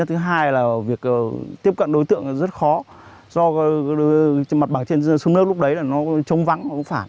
thứ hai là việc tiếp cận đối tượng rất khó do mặt bảng trên sông nước lúc đấy trông vắng